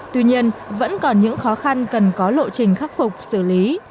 tuy nhiên vẫn còn những khó khăn cần có lộ trình khắc phục xử lý